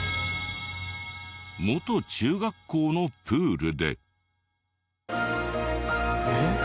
元中学校のプールで。